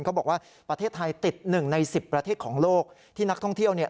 เขาบอกว่าประเทศไทยติดหนึ่งในสิบประเทศของโลกที่นักท่องเที่ยวเนี่ย